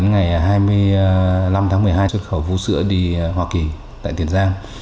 ngày hai mươi năm tháng một mươi hai xuất khẩu vũ sữa đi hoa kỳ tại tiền giang